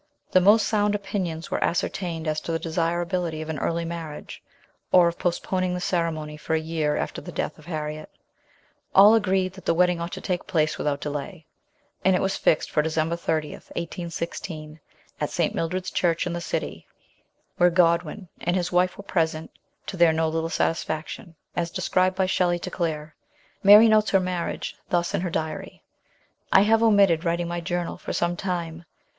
The most sound opinions were ascertained as to the desira bility of an early marriage, or of postponing the ceremony for a year after the death of Harriet j all agreed that the wedding ought to take place with out delay, and it was fixed for December 30, 1816, at St. Mildred's Church in the City, where Godwin and his wife were present, to their no little satisfaction, as described by Shelley to Claire. Mary notes her mar riage thus in her diary :" I have omitted writing my journal for some time.